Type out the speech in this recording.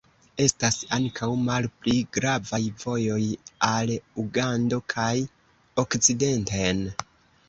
Estas ankaŭ malpli gravaj vojoj al Ugando kaj okcidenten.